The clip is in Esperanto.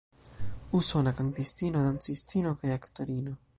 Usona kantistino, dancistino kaj aktorino.